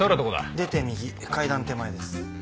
出て右階段手前です。